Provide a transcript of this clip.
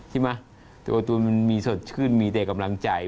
ใช่ไหมตัวตูนมันมีสดชื่นมีแต่กำลังใจ